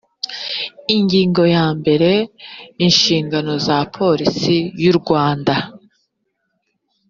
ingingo ya mbere inshingano za polisi y urwanda